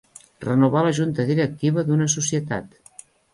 Renovar la junta directiva d'una societat.